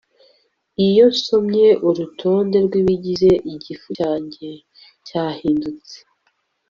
Iyo nsomye urutonde rwibigize igifu cyanjye cyahindutse